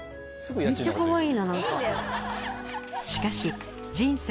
めっちゃかわいいな何か。